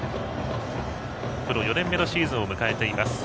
プロ４年目のシーズンを迎えています。